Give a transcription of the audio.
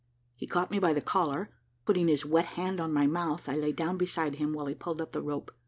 He caught me by the collar, putting his wet hand on my mouth, and I lay down beside him while he pulled up the rope.